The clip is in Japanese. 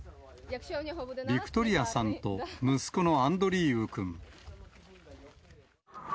ビクトリアさんと息子のアンドリーウくん。